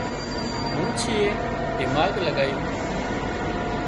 منڇيئي دماڳ لڳايون